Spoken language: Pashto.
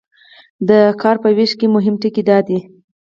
د کار په ویش کې مهم ټکي دا دي.